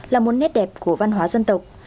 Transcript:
là một nét đẹp của văn hóa dân tộc